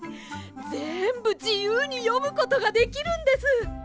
ぜんぶじゆうによむことができるんです。